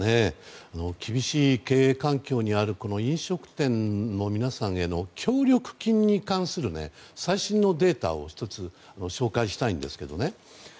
厳しい経営環境にある飲食店の皆さんへの協力金に関する最新のデータを１つ紹介したいんですけどね。